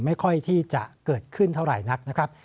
ไม่ค่อยที่จะเกิดขึ้นเท่าไหร่นักนะครับ